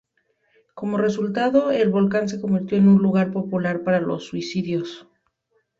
Como resultado, el volcán se convirtió en un lugar popular para los suicidios.